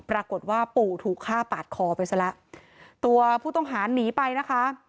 ปรากฏว่าปู่ถูกฆ่าปาดคอไปซะแล้วตัวผู้ต้องหาหนีไปนะคะ